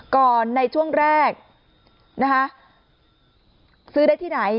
ก่อนในช่วงแรกนะคะซื้อได้ที่ไหน